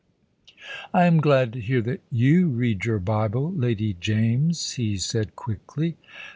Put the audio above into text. "I am glad to hear that you read your Bible, Lady James," he said quickly.